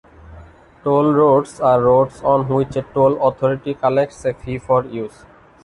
Toll roads are roads on which a toll authority collects a fee for use.